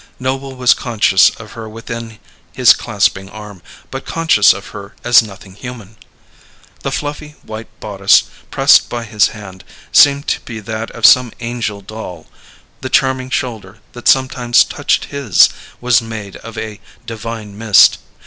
Noble was conscious of her within his clasping arm, but conscious of her as nothing human. The fluffy white bodice pressed by his hand seemed to be that of some angel doll; the charming shoulder that sometimes touched his was made of a divine mist.